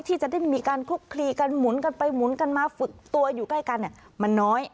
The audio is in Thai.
ที่จะได้มีการคลุกคลีกันหมุนกันไปหมุนกันมาฝึกตัวอยู่ใกล้กันมันน้อย